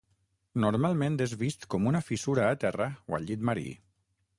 Normalment és vist com una fissura a terra o al llit marí.